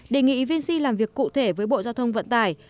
đề nghị vc làm việc cụ thể với bộ giao thông vận tải